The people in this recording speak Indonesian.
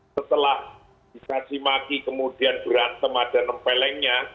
setelah di caci maki kemudian berantem ada nempelengnya